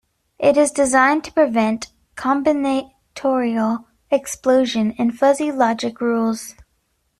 It is designed to prevent combinatorial explosion in fuzzy logic rules.